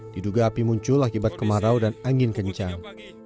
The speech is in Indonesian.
diduga api muncul akibat kemarau dan angin kencang